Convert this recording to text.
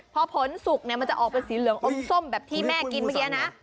พอผลสุกเนี่ยมันจะออกเป็นสีเหลืองอมส้มแบบที่แม่กินเมื่อกี้นะ